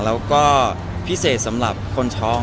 แล้วก็พิเศษสำหรับคนท้อง